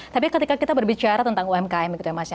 tapi ketika kita berbicara tentang umkm gitu ya mas ya